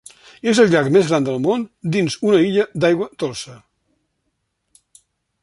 És el llac més gran del món dins una illa d'aigua dolça.